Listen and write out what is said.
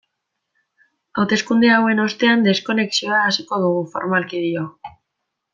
Hauteskunde hauen ostean deskonexioa hasiko dugu formalki, dio.